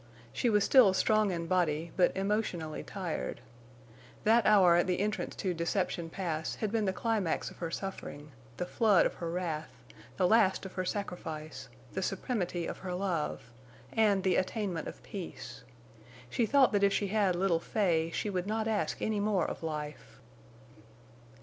She was still strong in body, but emotionally tired. That hour at the entrance to Deception Pass had been the climax of her suffering—the flood of her wrath—the last of her sacrifice—the supremity of her love—and the attainment of peace. She thought that if she had little Fay she would not ask any more of life.